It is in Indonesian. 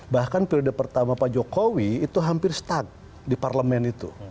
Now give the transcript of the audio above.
bahkan periode pertama pak jokowi itu hampir stuck di parlemen itu